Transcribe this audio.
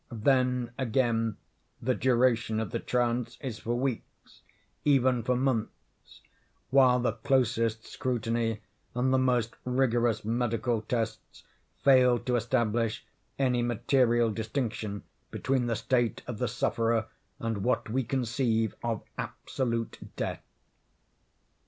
Then again the duration of the trance is for weeks—even for months; while the closest scrutiny, and the most rigorous medical tests, fail to establish any material distinction between the state of the sufferer and what we conceive of absolute death.